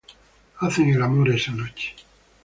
Hacen el amor esa noche.